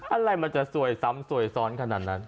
อะไรมันจะสวยซ้ำสวยซ้อนขนาดนั้น